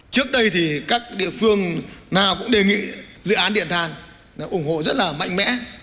trước đây thì các địa phương nào cũng đề nghị dự án điện than ủng hộ rất là mạnh mẽ